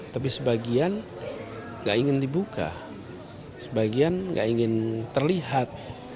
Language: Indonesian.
tapi sebagian tidak ingin dibuka sebagian tidak ingin terlihat